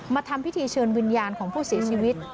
ทำพิธีเชิญวิญญาณของผู้เสียชีวิต